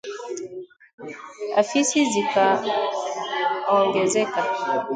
Afisi zikaongezeka